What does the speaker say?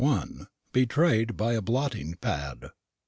BETRAYED BY A BLOTTING PAD.